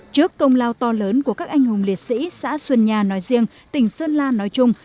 trước công lao to lớn của các anh hùng liệt sĩ xã xuân nha nói riêng tỉnh sơn la nói chung